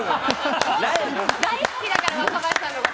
大好きだから、若林さんのこと。